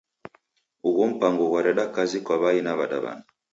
Ugho mpango ghwareda kazi kwa w'ai na w'adaw'ana.